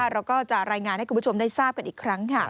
เราก็จะรายงานให้คุณผู้ชมได้ทราบกันอีกครั้ง